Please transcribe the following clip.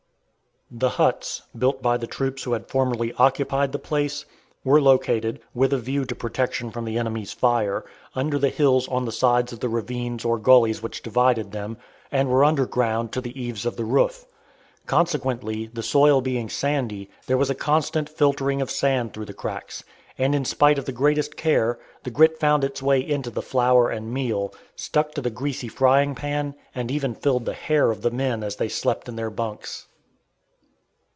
The huts, built by the troops who had formerly occupied the place, were located, with a view to protection from the enemy's fire, under the hills on the sides of the ravines or gullies which divided them, and were underground to the eaves of the roof. Consequently, the soil being sandy, there was a constant filtering of sand through the cracks, and in spite of the greatest care, the grit found its way into the flour and meal, stuck to the greasy frying pan, and even filled the hair of the men as they slept in their bunks.